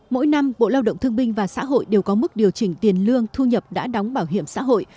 mỗi năm bộ lao động thương binh và xã hội đều có mức điều chỉnh tiền lương thu nhập đã đóng bảo hiểm xã hội